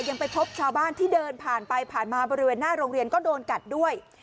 ยังไปพบชาวบ้านที่เดินผ่านไปผ่านมาบริเวณหน้าโรงเรียนก็โดนกัดด้วย